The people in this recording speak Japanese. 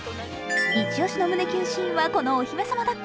イチオシの胸キュンシーンは、このお姫様だっこ。